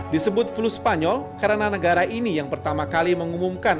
disebut flu spanyol karena negara ini yang pertama kali mengumumkan